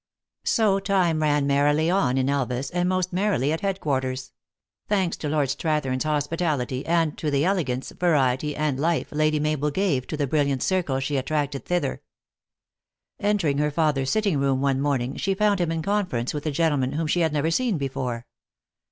So time ran merrily on in Elvas, and most merrily at headquarters ; thanks to Lord Strathern s hospital ity, and to the elegance, variety and life Lady Mabel gave to the brilliant circle she attracted thither. Entering her father s sitting room one morning, she found him in conference with a gentleman whom she had never seen before.